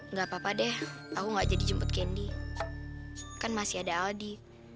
nggak apa apa deh aku gak jadi jemput kendi kan masih ada aldi